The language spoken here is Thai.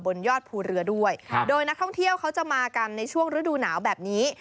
ยอดภูเรือด้วยโดยนักท่องเที่ยวเขาจะมากันในช่วงฤดูหนาวแบบนี้